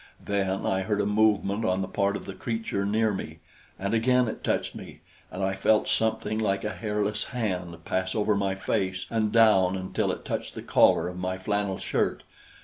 Then I heard a movement on the part of the creature near me, and again it touched me, and I felt something like a hairless hand pass over my face and down until it touched the collar of my flannel shirt.